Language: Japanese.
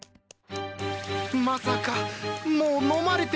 まさかもうのまれてるんじゃ。